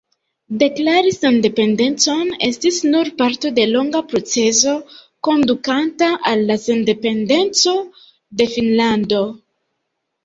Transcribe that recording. Deklari sendependecon estis nur parto de longa procezo kondukanta al la sendependeco de Finnlando.